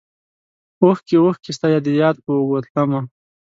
اوښکې ، اوښکې ستا دیاد په اوږو تلمه